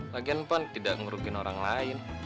lagian pun tidak ngerugin orang lain